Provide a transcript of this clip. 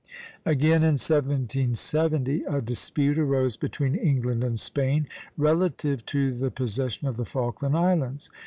Again, in 1770, a dispute arose between England and Spain relative to the possession of the Falkland Islands.